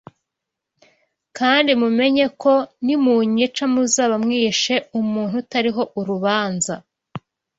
Kandi mumenye ko nimunyica muzaba mwishe umuntu utariho urubanza